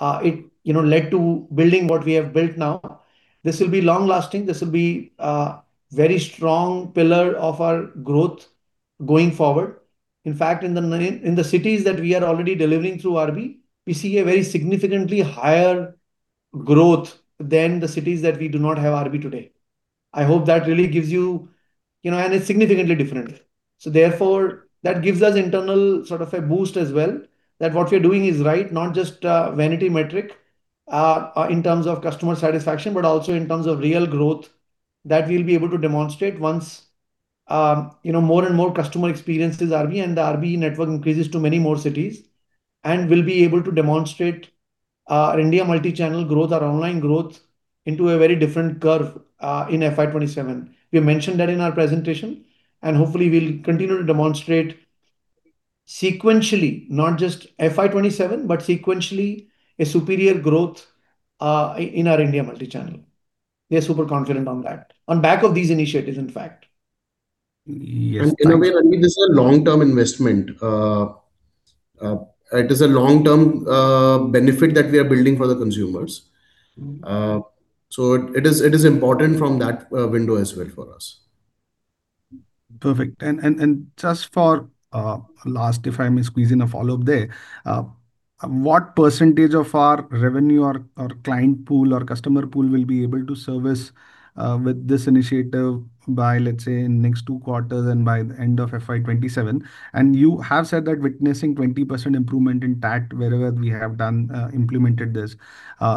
it, you know, led to building what we have built now. This will be long-lasting. This will be a very strong pillar of our growth going forward. In fact, in the cities that we are already delivering through RB, we see a very significantly higher growth than the cities that we do not have RB today.... I hope that really gives you, you know, and it's significantly different. So therefore, that gives us internal sort of a boost as well, that what we're doing is right, not just vanity metric in terms of customer satisfaction, but also in terms of real growth that we'll be able to demonstrate once, you know, more and more customer experience this RB and the RB network increases to many more cities. And we'll be able to demonstrate our India Multi-Channel growth, our online growth, into a very different curve in FY 2027. We mentioned that in our presentation, and hopefully we'll continue to demonstrate sequentially, not just FY 2027, but sequentially, a superior growth in our India Multi-Channel. We are super confident on that, on back of these initiatives, in fact. Yes. In a way, I mean, this is a long-term investment. It is a long-term benefit that we are building for the consumers. Mm-hmm. So it is important from that window as well for us. Perfect. And just for last, if I may squeeze in a follow-up there. What percentage of our revenue or client pool or customer pool will be able to service with this initiative by, let's say, in next two quarters and by the end of FY 2027? And you have said that witnessing 20% improvement in TAT wherever we have done implemented this.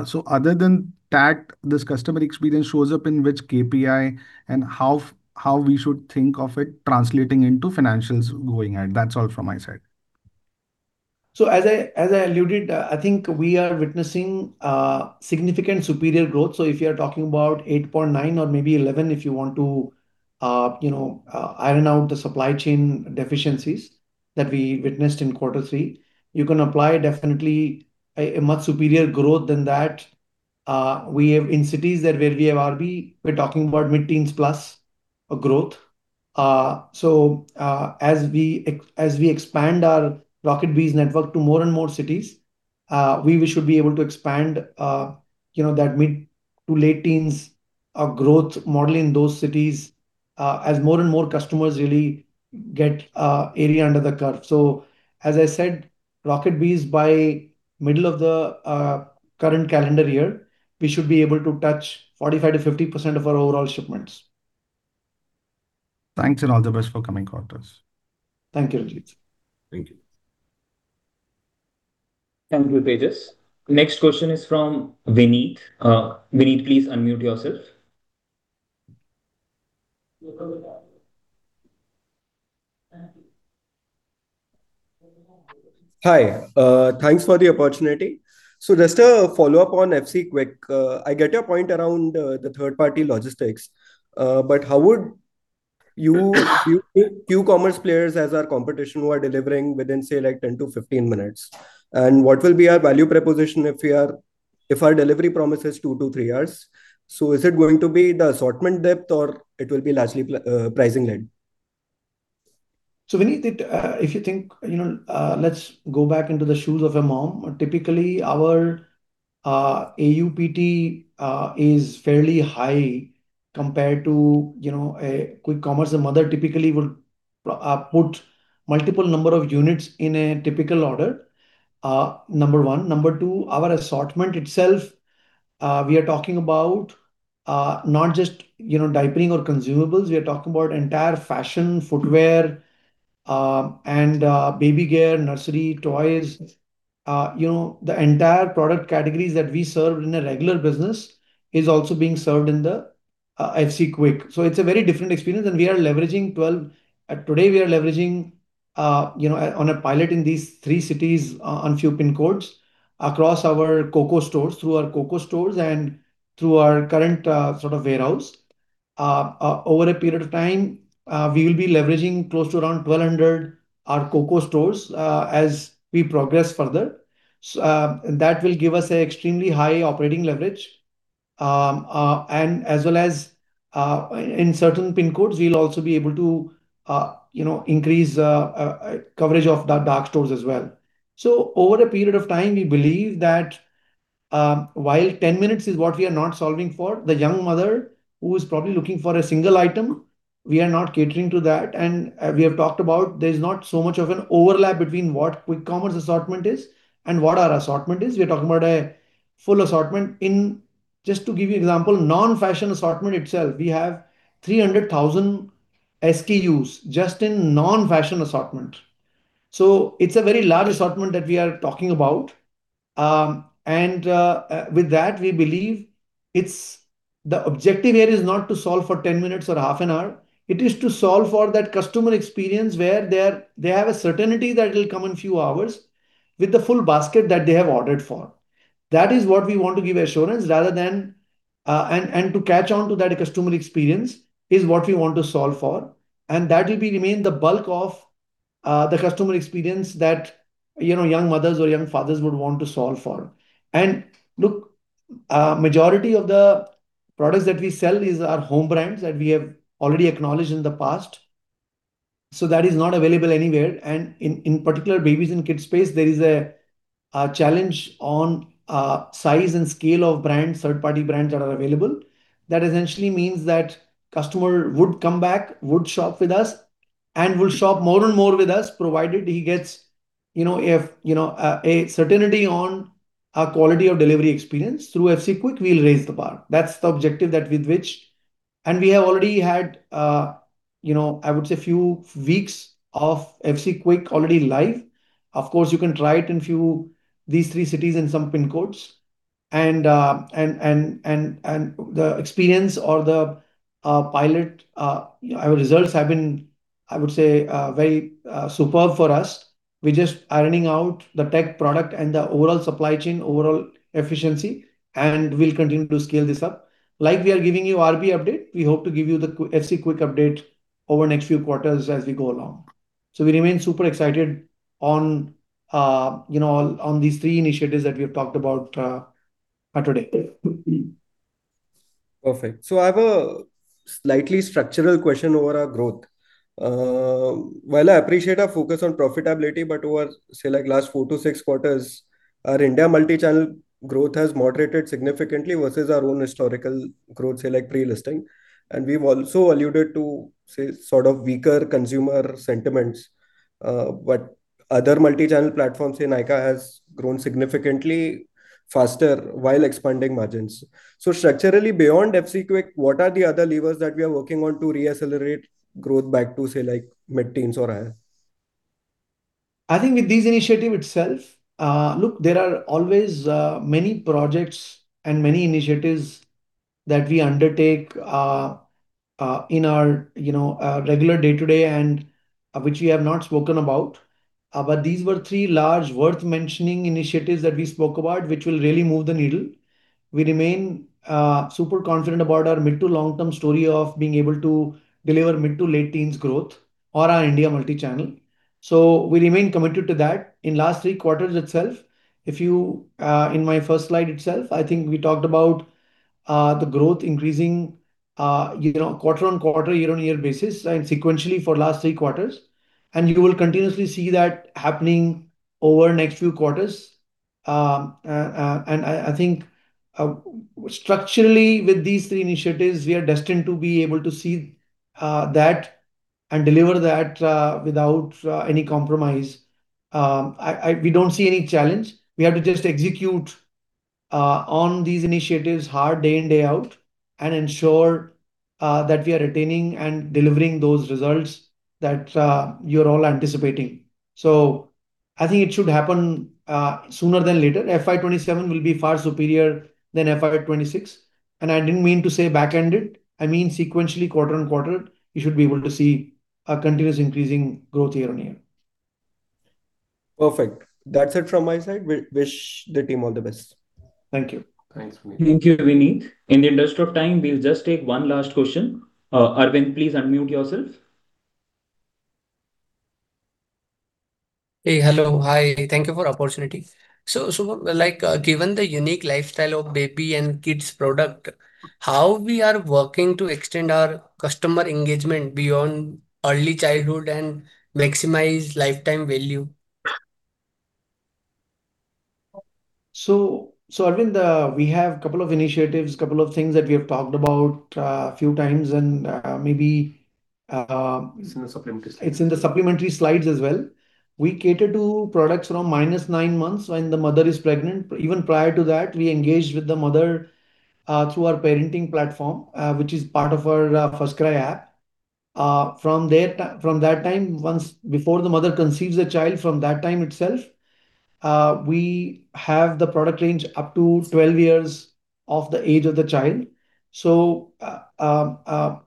So other than TAT, this customer experience shows up in which KPI, and how we should think of it translating into financials going ahead? That's all from my side. So as I alluded, I think we are witnessing significant superior growth. So if you are talking about 8.9 or maybe 11, if you want to, you know, iron out the supply chain deficiencies that we witnessed in Q3, you can apply definitely a much superior growth than that. We have... In cities where we have RB, we're talking about mid-teens + of growth. So as we expand our RocketBees network to more and more cities, we should be able to expand, you know, that mid-to-late teens of growth model in those cities, as more and more customers really get area under the curve. As I said, RocketBees, by middle of the current calendar year, we should be able to touch 45%-50% of our overall shipments. Thanks, and all the best for coming quarters. Thank you, Ajit. Thank you. Thank you, Tejas. Next question is from Vineet. Vineet, please unmute yourself. Hi, thanks for the opportunity. So just a follow-up on FC Quick. I get your point around the third-party logistics, but how would Q-commerce players as our competition who are delivering within, say, like, 10-15 minutes? And what will be our value proposition if our delivery promise is 2-3 hours? So is it going to be the assortment depth, or it will be largely pricing led? So, Vineet, if you think, you know, let's go back into the shoes of a mom. Typically, our AUPT is fairly high compared to, you know, a quick commerce. A mother typically will put multiple number of units in a typical order, number one. Number two, our assortment itself, we are talking about, not just, you know, diapering or consumables, we are talking about entire fashion, footwear, and baby gear, nursery, toys. You know, the entire product categories that we serve in a regular business is also being served in the FC Quick. So it's a very different experience, and we are leveraging twelve... Today, we are leveraging, you know, on a pilot in these three cities, on few PIN codes across our COCO stores, through our COCO stores and through our current, sort of warehouse. Over a period of time, we will be leveraging close to around 1,200 our COCO stores, as we progress further. So, that will give us a extremely high operating leverage. And as well as, in certain PIN codes, we'll also be able to, you know, increase, coverage of the dark stores as well. So over a period of time, we believe that, while 10 minutes is what we are not solving for, the young mother who is probably looking for a single item, we are not catering to that. We have talked about there's not so much of an overlap between what quick commerce assortment is and what our assortment is. We are talking about a full assortment in... Just to give you example, non-fashion assortment itself, we have 300,000 SKUs just in non-fashion assortment. So it's a very large assortment that we are talking about. And with that, we believe it's the objective here is not to solve for 10 minutes or half an hour, it is to solve for that customer experience where they have a certainty that it'll come in few hours with the full basket that they have ordered for. That is what we want to give assurance rather than... To catch on to that customer experience is what we want to solve for, and that will be remain the bulk of the customer experience that, you know, young mothers or young fathers would want to solve for. And look, majority of the products that we sell is our home brands that we have already acknowledged in the past, so that is not available anywhere. And in particular, babies and kids space, there is a challenge on size and scale of brands, third-party brands that are available. That essentially means that customer would come back, would shop with us and will shop more and more with us, provided he gets, you know, a certainty on our quality of delivery experience. Through FC Quick, we'll raise the bar. That's the objective with which we have already had, you know, I would say a few weeks of FC Quick already live. Of course, you can try it in these three cities and some PIN codes. And the experience or the pilot, our results have been, I would say, very superb for us. We're just ironing out the tech product and the overall supply chain, overall efficiency, and we'll continue to scale this up. Like we are giving you RB update, we hope to give you the FC Quick update over the next few quarters as we go along. So we remain super excited on, you know, on these three initiatives that we have talked about, today. Perfect. So I have a slightly structural question over our growth. While I appreciate our focus on profitability, but over, say, like last four to six quarters, our India Multi-Channel growth has moderated significantly versus our own historical growth, say, like pre-listing. And we've also alluded to, say, sort of weaker consumer sentiments. But other multi-channel platforms, say, Nykaa, has grown significantly faster while expanding margins. So structurally, beyond FC Quick, what are the other levers that we are working on to re-accelerate growth back to, say, like mid-teens or higher? I think with this initiative itself. Look, there are always many projects and many initiatives that we undertake in our, you know, regular day-to-day, and which we have not spoken about. But these were three large, worth mentioning initiatives that we spoke about, which will really move the needle. We remain super confident about our mid- to long-term story of being able to deliver mid- to late teens growth on our India Multi-Channel. So we remain committed to that. In last three quarters itself. In my first slide itself, I think we talked about the growth increasing, you know, quarter-on-quarter, year-on-year basis, and sequentially for last three quarters. You will continuously see that happening over the next few quarters. I think, structurally, with these three initiatives, we are destined to be able to see that and deliver that without any compromise. We don't see any challenge. We have to just execute on these initiatives hard, day in, day out, and ensure that we are retaining and delivering those results that you're all anticipating. So I think it should happen sooner than later. FY 2027 will be far superior than FY 2026. And I didn't mean to say back-ended, I mean sequentially, quarter-on-quarter, you should be able to see a continuous increasing growth year-on-year. Perfect. That's it from my side. We wish the team all the best. Thank you. Thanks, Vineet. Thank you, Vineet. In the interest of time, we'll just take one last question. Arvind, please unmute yourself. Hey. Hello. Hi, thank you for the opportunity. So, like, given the unique lifestyle of baby and kids product, how we are working to extend our customer engagement beyond early childhood and maximize lifetime value? So, Arvind, we have a couple of initiatives, a couple of things that we have talked about a few times, and maybe— It's in the supplementary slides. It's in the supplementary slides as well. We cater to products from minus 9 months, when the mother is pregnant. But even prior to that, we engage with the mother through our parenting platform, which is part of our FirstCry app. From that time, before the mother conceives a child, from that time itself, we have the product range up to 12 years of the age of the child. So,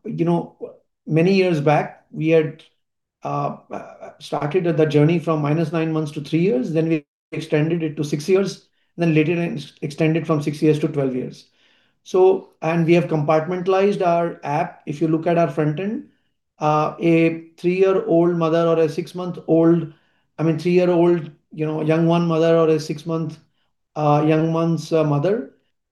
you know, many years back, we had started the journey from minus 9 months to 3 years, then we extended it to 6 years, then later on extended from 6 years to 12 years. And we have compartmentalized our app. If you look at our front end, a 3-year-old mother or a 6-month-old... I mean, a three-year-old, you know, young one mother or a six-month young one's mother,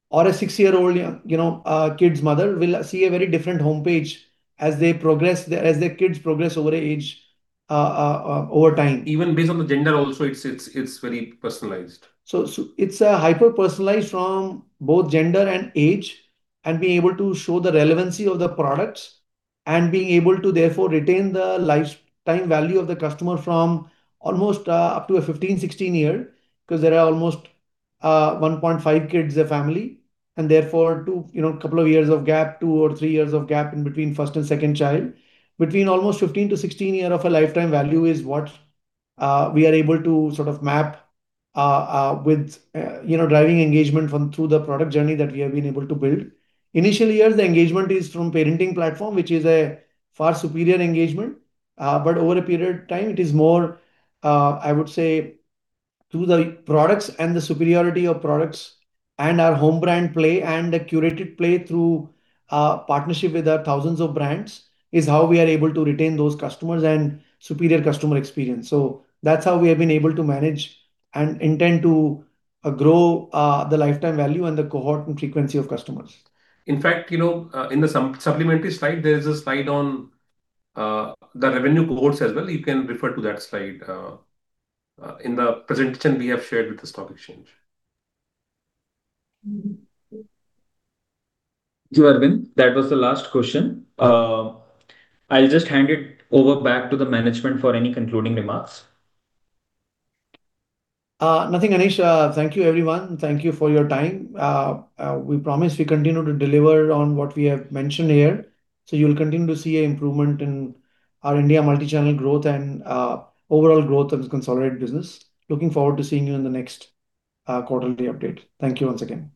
or a six-year-old, you know, kid's mother, will see a very different homepage as they progress, as their kids progress over age, over time. Even based on the gender also, it's very personalized. So it's hyper-personalized from both gender and age, and being able to show the relevancy of the products, and being able to therefore retain the lifetime value of the customer from almost up to a 15-16 year. 'Cause there are almost 1.5 kids a family, and therefore two, you know, couple of years of gap, 2 or 3 years of gap in between first and second child. Between almost 15-16 year of a lifetime value is what we are able to sort of map with, you know, driving engagement from through the product journey that we have been able to build. Initial years, the engagement is from parenting platform, which is a far superior engagement, but over a period of time, it is more, I would say, through the products and the superiority of products, and our home brand play, and the curated play through our partnership with our thousands of brands, is how we are able to retain those customers and superior customer experience. So that's how we have been able to manage and intend to grow the lifetime value and the cohort and frequency of customers. In fact, you know, in the supplementary slide, there is a slide on, the revenue cohorts as well. You can refer to that slide, in the presentation we have shared with the stock exchange. Thank you, Arvind. That was the last question. I'll just hand it over back to the management for any concluding remarks. Nothing, Anish. Thank you, everyone. Thank you for your time. We promise we continue to deliver on what we have mentioned here. So you'll continue to see an improvement in our India Multi-Channel growth and overall growth of the consolidated business. Looking forward to seeing you in the next quarterly update. Thank you once again.